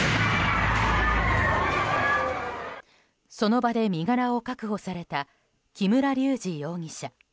その場で身柄を確保された木村隆二容疑者。